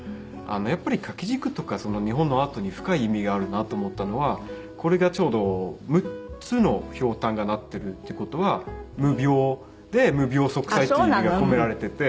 やっぱり掛け軸とか日本のアートに深い意味があるなと思ったのはこれがちょうど６つの瓢箪がなってるっていう事は「六瓢」で無病息災っていう意味が込められていて。